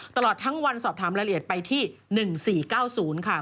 ตลอดทั้งวันสอบถามรายละเอียดไปที่๑๔๙๐ค่ะ